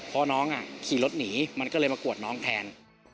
เพราะน้องขี่รถหนีมันก็เลยมากวดน้องแทน